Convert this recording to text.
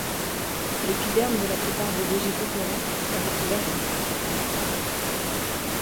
L’épiderme de la plupart des végétaux terrestres est recouvert d’une cuticule.